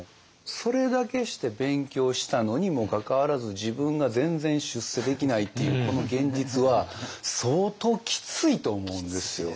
それだけして勉強したのにもかかわらず自分が全然出世できないっていうこの現実は相当きついと思うんですよ。